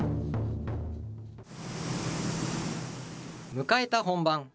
迎えた本番。